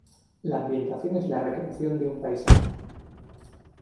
La ambientación es la recreación de un paisaje.